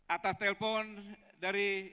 atas telpon dari